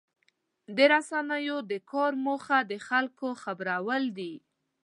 د رسنیو د کار موخه د خلکو خبرول دي.